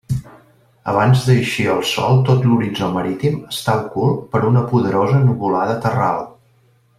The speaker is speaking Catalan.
Abans d'eixir el sol tot l'horitzó marítim està ocult per una poderosa nuvolada terral.